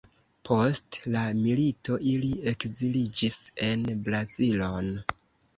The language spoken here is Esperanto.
Post la milito, ili ekziliĝis en Brazilon.